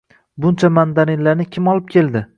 Buncha mandarinlarni kim olib keldi